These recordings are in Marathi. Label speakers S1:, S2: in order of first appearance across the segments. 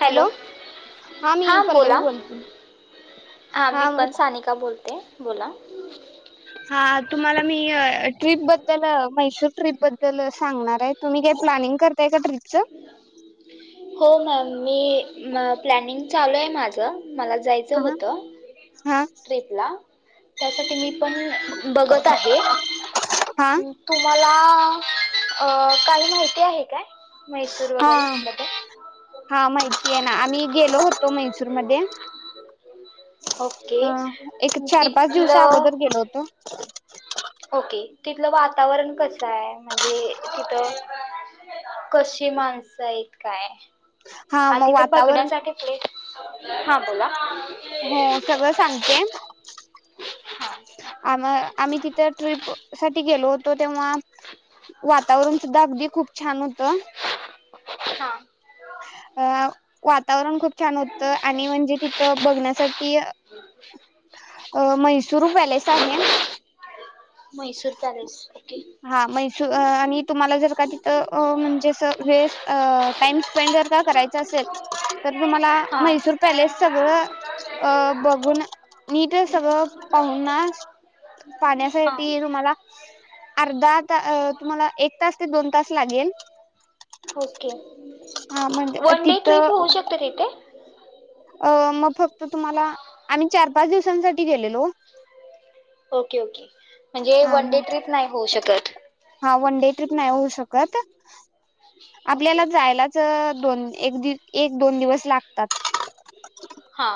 S1: हॅलो
S2: मी
S1: हा
S2: पल्लवी
S1: बोला
S2: बोलते
S1: हा मी पण सानिका बोल [unintelligible] बोला
S2: हा तुम्हाला मी ट्रिप बद्दल मैसूर ट्रिप बद्दल सांगणार आहेत तुम्ही काय प्लॅनिंग करताय का ट्रिपचं.
S1: हो मॅम मी प्लॅनिंग चालू आहे माझं मला जायचं
S2: हा
S1: होत
S2: हा
S1: ट्रिपला. त्यासाठी मी मी बगत आहे
S2: हा
S1: तुम्हाला पण तूला अ काही माहिती आहे काय? मैसूर वगैरे
S2: हा
S1: बघा.
S2: हा माहिती आहे ना आम्ही गेलो होतो म्है मैसूर मध्ये
S1: ओके
S2: अं एक चार पाच दिवसा
S1: तिथलं
S2: अगोदर गेलो होतो.
S1: ओके, तिथलं वातावरण कसं हाय म्हणजे तिथं कशी माणसं आहेत काय?
S2: हा मग वातावरण
S1: हा बोला
S2: हो सगळं
S1: [inaudible]
S2: आम्हा आम्ही तिथं ट्रीप साठी गेलो होतो तेव्हा वातावरण सुद्धा अगदी खूप छान हुतं.
S1: हा
S2: अ वातावरण खूप छान होतं आणि म्हणजे तिथं बघण्यासाठी हे म्हैसूर पॅलेस आहे.
S1: म्हैसूर पॅलेस ओके
S2: हा म्हैसूर आणि तुम्हाला जर का ती तर म्हणजे अस वेस्ट टाइम स्पेंज जर का करायच असेल तर तुम्हाला
S1: हा
S2: म्हैसूर पॅलेस सगळं अ बघून नीट सगळं पाहून ना
S1: हा
S2: पाहण्यासाठी तुम्हाला अर्धा तुम्हाला एक तास ते दोन तास लागेल.
S1: ओके
S2: हा म्हणजे
S1: वन डे
S2: तिथं
S1: ट्रिप होऊ शकते तिथे?
S2: अ मग फक्त तुम्हाला आम्ही चार पाच दिवसांसाठी गेलेलो.
S1: ओके-ओके म्हणजे
S2: हा
S1: वन डे
S2: मग
S1: ट्रीप नाही होऊ शकत.
S2: हा वन डे ट्रिप नाही होऊ शकत आपल्याला
S1: ओके
S2: जायलाच दोन एक एक दोन दिवस लागतात.
S1: हा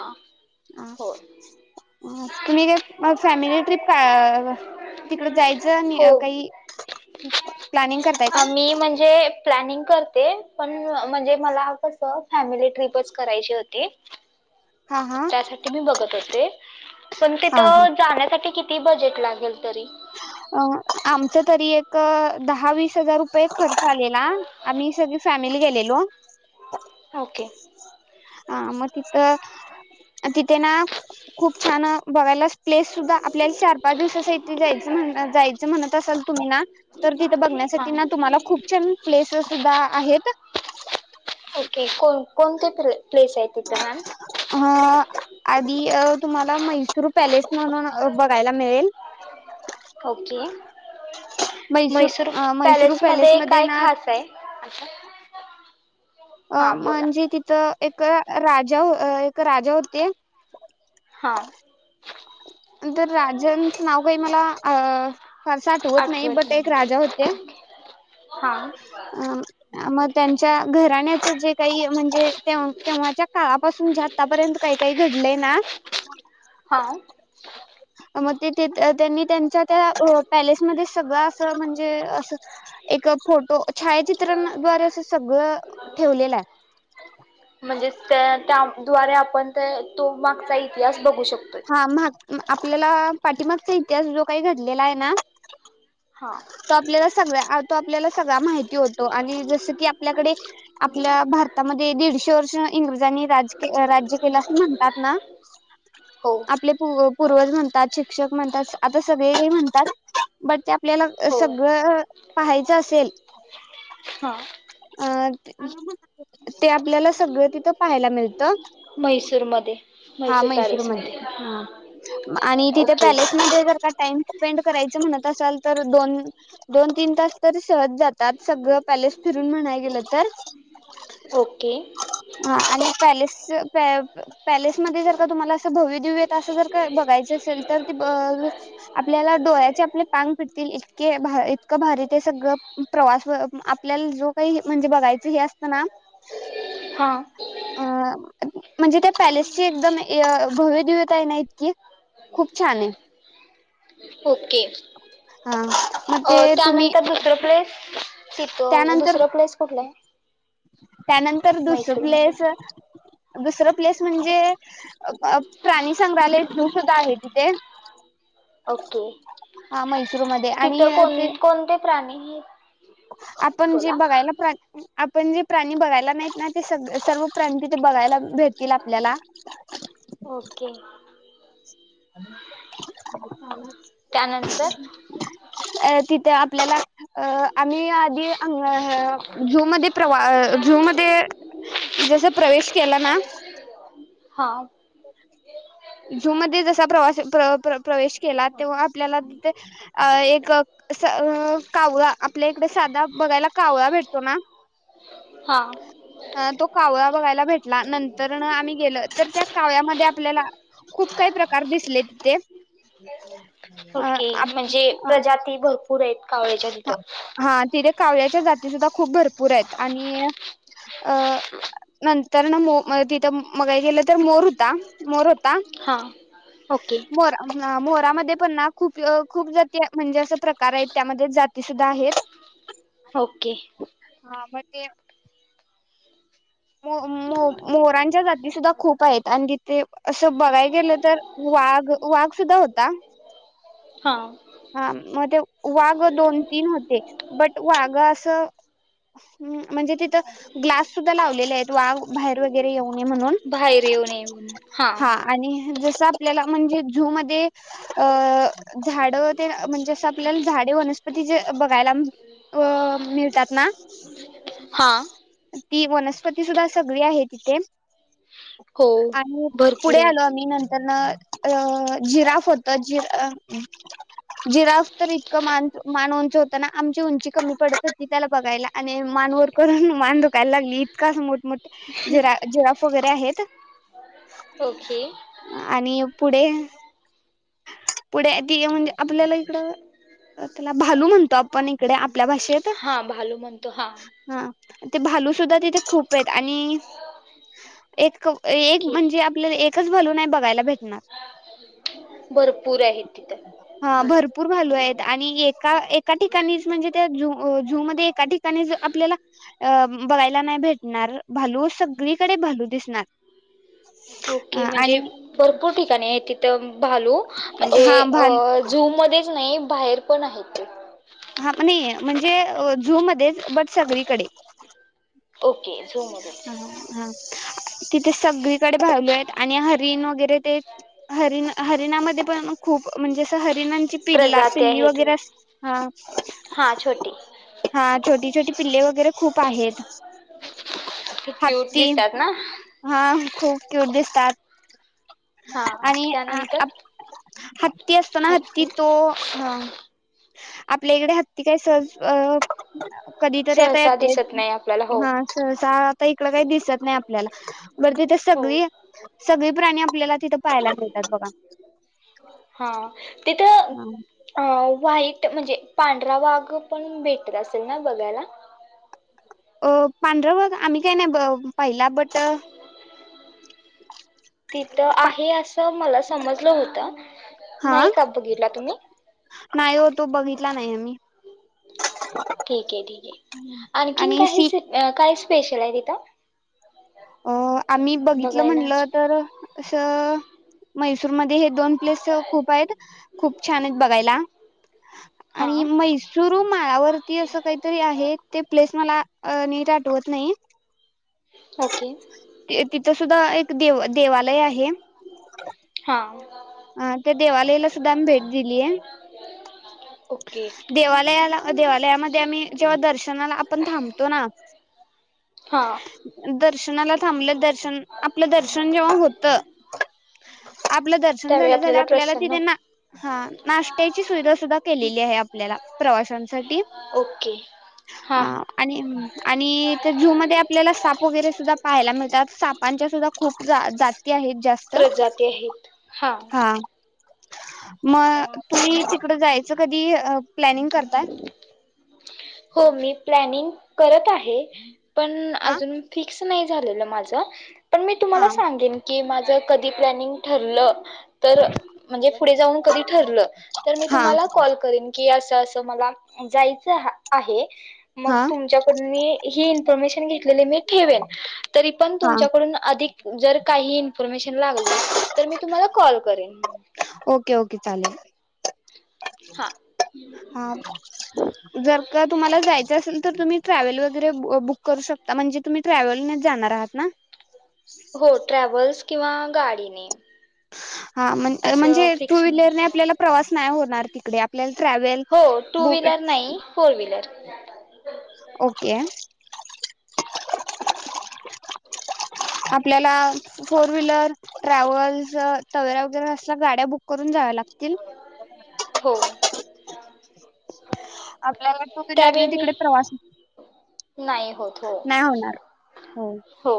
S2: आ
S1: हो
S2: व्हय तुम्ही काय मग फॅमिली ट्रीप का तिकडे जायचं ज
S1: हो
S2: निय काइ [inaudible]
S1: मी म्हणजे प्लनिंग करते पण म्हणजे मला कसं फॅमिली ट्रिपच करायची होती
S2: हा हा
S1: त्यासाठी मी बघत होते पण
S2: हा
S1: तिथं जाण्यासाठी किती ती बजेट लागेल तरी
S2: अ आमच तरी एक दहा वीस हजार रुपये खर्च आलेला आम्ही सगळी फॅमिली गेले. हॅलो!
S1: ओके
S2: अ म तिथ आणि तिथे ना, खूप छान बघायला प्लेस सुद्धा आपल्याला चार-पाच दिवसांस ती जायचं म्हण जायचं म्हणत असाल तुम्ही ना तर, तिथं
S1: हां
S2: बघण्यासाठी ना तुम्हाला खूप छान प्लेसेस सुद्धा आहेत
S1: ओके कोण कोणते प्रे प्लेस आहेत तिथं मॅम?
S2: हा आधी तुम्हाला म्हैसूर पॅलेस म्हणून बघायला मिळेल
S1: ओके,
S2: मैसूर
S1: म्हैसूर
S2: अ मैसूर
S1: पॅलेस मध्ये
S2: पॅलेसमध्ये
S1: काय
S2: ना
S1: खास आहे
S2: अ
S1: हा बोला
S2: म्हणजे तिथं एक क राजा एक राजा होते.
S1: हा
S2: [inaudible] तर राजांच नाव काही मला फारसं आठवत नाही बट एक राजा होते
S1: हा
S2: मग त्यांच्या घराण्याच जे काही म्हणजे ते तेव्हाच्या काळापासून जे आतापर्यंत काही काही घडलंय ना [inaudible]
S1: हा
S2: मग ते तीत त्यांनी त्यांच्या त्या रो पॅलेसमध्ये सगळं असं म्हणजे असं एक फोटो छायाचित्रांद्वारे असं सगळं ठेवलेलं आहे.
S1: द्वारे आपण त-तो मागचा इतिहास बघ
S2: हा मग आ आपल्याला पाठीमागचा इतिहास जो काही घडलेला आहे ना.
S1: हा
S2: तो आपल्याला सगळा तो आपल्याला सगळा माहिती होतो आणि जस की आपल्याकडे आपल्या भारतामध्ये दीडशे वर्ष इंग्रजांनी राज राज्य केलं असं म्हणतात ना
S1: हो
S2: आपले पू पूर्वज म्हण शिक्षक म्हणतात आता सगळे म्हणतात बट त्या आपल्याला
S1: हो
S2: सगळं पाहायच असेल
S1: हा.
S2: अ ते आपल्याला सगळं तिथं पाहायला मिळतं
S1: मैसूरमध्ये
S2: हा मैसूरमध्ये हा आणि तिथे
S1: ओके
S2: पॅलेसमध्ये जर का टाइम स्पेंड करायच म्हणत असाल तर दोन-दोन, तीन तास तर सहज जातात सगळ पॅलेस फिरून म्हणाय गेलं तर
S1: ओके
S2: पॅलेसच प पॅलेस जर का तुम्हाला अस भव्य दिव्य अस जर का बघायच असेल तर ते अ आपल्याला डोळ्याचे आपले पांग फिटतील इ के भा इतकं भारी ते सगळं प्रवास आपल्याला जो काही म्हणजे बघायचं हे असत ना
S1: हा
S2: अ म्हणजे त्या पॅलेस एकदम भव्य दिव्यता हाय ना इतकी खूप छान आहे.
S1: ओके
S2: हा मग
S1: अ
S2: ते तुम्ही
S1: त्यानंतर दुसर प्लेस तिथं
S2: त्यानंतर
S1: दुसरं प्लेस कुठलं आहे?
S2: त्यानंतर दुसरं
S1: म्हैसूरमध्ये
S2: प्लेस दुसरं प्लेस म्हणजे प्राणी संग्रहालय झू सुद्धा आहे तिथे.
S1: ओके
S2: मैसूरमध्ये
S1: तिथं
S2: आणि
S1: कोण
S2: ते
S1: कोणते प्राणी
S2: आपण जे
S1: बोला
S2: बघायला प्राणी आप पण जे प्राणी बघायला नाहीत ना ते सग सर्व प्राणी तिथे बघायला भेटतील आपल्याला.
S1: ओके
S2: [unintelligible]
S1: त्यानंतर
S2: अ तिथे आपल्याला अ आम्ही आधी झूमध्ये प्रवा झूमध्ये जस प्रवेश केला ना
S1: हा
S2: [unintelligible] झूमध्ये जसा प्रवास प्रवेश केला तेव्हा आपल्याला तिथे अ एक अस अ कावळा आपल्या इकडे साधा बघायला कावळा भेटतो ना
S1: हां
S2: हा तो कावळा बघायला भेटला नंतरन आम्ही गेल तर त्या कावळ्यामध्ये आपल्याला खूप काही प्रकार दिसले तिथे. अ
S1: ओके म्हणजे
S2: आप
S1: प्रजाती भरपूर आहेत कावळयाच्या तिथं.
S2: हा तिथे कावळ्याच्या जाती सुद्धा खूप भरपूर आहेत आणि अ नंतर ना मो तिथं बघायला गेलं तर मोर होता, मोर हो [unintelligible]
S1: हां ओके
S2: मोर अ मोरामध्ये पन्ना खूप खूप जाती म्हणजे, असं प्रकार आहेत त्यामध्ये जाती सुुद्धा आहेत
S1: ओके!
S2: तेय मो-मो मोरांच्या जाती सुद्धा खूप आहेत अन् तिथे असं बघाय गेलं तर वाघ-वाघ सुद्धा होता
S1: हां
S2: हा मग ते वाघ दोन-तीन होते बट वाघा असं उम, म्हणजे तिथं ग्लास सुद्धा लावलेलेयत वाघ बाहेर वगैरे येऊन
S1: बाहेर येऊन येऊन हाम
S2: तिथं आपल्याला म्हणजे झू मध्ये अ-अ झाडत ते म्हणजे असं आपल्याला झाडे, वनस्पती जे बघायला अ मिळतात ना
S1: हां
S2: ती वनस वनस्पती सुद्धा सगळी आहेत तिथे.
S1: हो
S2: आणि
S1: भरपूर
S2: पुढे आलो
S1: आहेत
S2: आम्ही नंतर न.... अ जिराफ होत जि अ जिराफ तर इतकं मान उंच होतं ना, आमची उंची कमी पडत होती. त्याला बघायला आणि मानवर करून मान दुखायला लागली, इतका मोठ-मोठ जिरा जिराफ वगैरे आहेत.
S1: ओके
S2: आणि पुढे पुढे ती म्हणजे आपल्याला इकड त्याला भालू म्हणतो. आपण इकडे आपल्या भाषे ते येत
S1: हां भालू म्हणतो हां
S2: हा... ते भालू शुद्ध तिथे खूप आहेत आणि एक... एक
S1: ओके
S2: म्हणजे आपल्याला एकच भलू नाही बघायला भेटणार.
S1: भरपूर आहेत तिथं
S2: हा भरपूर भालू आहेत आणि एका एका ठिकाणीच म्हणजे त्या झू आ झू मध्ये एका ठिकाणी आपल्याला अ बघायला नाही भेटणार भालू सगळीकडे भालू दिसणार.
S1: ओके
S2: आणि
S1: म्हणजे भरपूर ठिकाणी आहे ति [unintelligible] भालू म्हणजे
S2: हा
S1: अ
S2: भालू
S1: झू मध्येच नाही बाहेर कोण आहेत ते?
S2: हा नाही म्हणजे अ झू मध्येच बट सगळीकडे
S1: ओके झूमध्येच
S2: आणि हा तिथे सगळीकडे भालू आहेत आणि हरीण वगैरे ते हरीण हरीणामध्ये पण खूप म्हणजे असं ह..... हरिणांची पिल्ला
S1: प्रजाती
S2: पिल्ली
S1: आहेत
S2: वगैरे,
S1: होय.
S2: अस
S1: हा छोटी
S2: हा छोटी-छोटी. पिल्ले वगैरे खूप आहेत. [unintelligible]
S1: क्यूट
S2: हत्ती
S1: दिसतात ना
S2: हा खूप क्युट दिसतात.
S1: हा
S2: आणि
S1: त्यानंतर
S2: हत्ती असतो. ना हत्ती तो ह आपल्या इकड हत्ती कसं अ.... कधीतरी
S1: सहसा दिसत नाई आपल्याला हो
S2: सहसाहा आता इकडं काही दिसत नाही आपल्याला. वरती ते
S1: हो
S2: सगळी-सगळी प्राणी आपल्याला तिथं पाहायला मिळतात बघा.
S1: हां तिथं अं व्हाइट म्हणजे पांढरा वाघ पण भेटत असेल ना बघायला?
S2: अ पांढरा वाघ आम्ही काय नाही पाहिला बट
S1: तिथं आहे असं मलाच समजलं होत.
S2: हा
S1: नाही का बघितला तुम्ही?
S2: नाही हो तो बघितला नाही हो मी.
S1: ठिकए ठिकए आणखीन काही सी अं काय स्पेशल आहे तिथं?
S2: अ आम्ही बघितलं
S1: बघायला
S2: म्हटलं तर असं मैसूरमध्ये हे दोन प्लेस खूप आहेत. खूप छान आहेत बघायला. आणि
S1: हा
S2: मैसूर माळावरती असं काहीतरी आहे, ते प्लेस मला अ नीट आठवत नाई.
S1: ओके.
S2: इथ सुद्धा एक देव देवालय आहे.
S1: हां
S2: ह त्या देवालयला सुद्धा आम्ही भेट दिलीये.
S1: [unintelligible]
S2: देवालयाला देवालयामध्ये आम्ही जेव्हा दर्शनाला आपण थांबतो ना
S1: हा
S2: दर्शनाला थांबलं दर शन आपलं दर्शन जेव्हा होत आपलं दर्शन
S1: त्यावेळी
S2: झाल्याझाल्या आपल्याला
S1: प्रसन्न
S2: तिथे ना हा नाश्त्याची सुविधा सुद्धा केलेली आहे आपल्याला. प्रवाशां साठी
S1: ओके हां
S2: हा
S1: हां
S2: आणि आणि झू मधे तिथे आपल्याला साप वगैरे, सुद्धा पाहायला मिळतात सापांच्या तुझा खूप जा जा
S1: प्रजाती आहेत हां
S2: हा मग मी तिकडं जायचं कधी अ प्लॅनिंग करताय
S1: हो मी प्लॅनिंग करत आहे पण
S2: हा
S1: आजून फीक्स नाही झालेलं माझं पण मी तुम्हाला
S2: हा
S1: सांगेन की जर कधी प्लॅनिंग ठरलं तर म्हणजे पुढे जाऊन कधी ठरलं तर मी
S2: हा
S1: तुम्हाला कॉल करेन की असं तसं मला जायचं हा आहे मग
S2: हा
S1: तुमच्याकडून मी ही इन्फॉर्मेशन घेतलेली मी ठेवीन तरी पण
S2: हा
S1: तुमच्याडून अधिक जर काही इन्फॉर्मेशन लागली तर मी तुम्हाला कॉल करेन.
S2: ओके ओके चालेल
S1: हां
S2: हां जर का तुम्हाला जायच असेल तर तुम्ही ट्रॅवल वगैरे अ बुक करू शको आता म्हणजे तुम्ही ट्रॅव्हलनेच जाणार आहात. ना
S1: हो ट्रॅव्हल्स किंवा गाडीने
S2: हा
S1: असं
S2: म्हणजे टू
S1: फिक्स नाही
S2: व्हीलरने आपल्याला प्रवास नाही होणार तिकडे आपल्याला ट्रॅवल
S1: हो टू
S2: बु अ
S1: व्हीलर नाही फोर व्हीलर
S2: ओके आपल्याला फोर व्हीलर ट्रॅव्हल्स तवेरा वगैर असल्या गाड्या बुक करून जाव्या लागतात.
S1: हो [inaudible]
S2: आपल्याला टू व्हीलर
S1: त्यावेळी
S2: ने
S1: मी
S2: तिकडे प्रवास
S1: नाही होत हो
S2: नाही होणार
S1: हो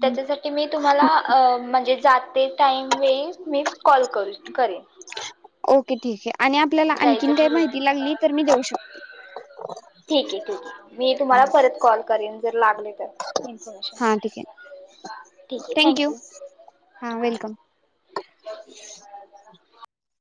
S1: त्याच्या साठी मी तुम्हाला अ म्हणजे जाते टाईम वेळी मीच कॉल करू करेन.
S2: ओके ठीक हे आणि आपल्याला
S1: जायचं
S2: आणखीन काही माहिती लागली
S1: ठरल्यानंतर
S2: तर मी देऊ शकते
S1: ठीक आहे मी तुम्हाला परत कॉल करेन जर लागले तर इन्फॉर्मेशन
S2: हा ठीक आहे
S1: ठीक आहे थँक
S2: थँक्यू
S1: यू
S2: हा
S1: ओके
S2: वेलकम
S1: [unintelligible]